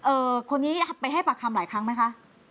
คนนี้ไปให้ปากคำหลายครั้งไหมคะ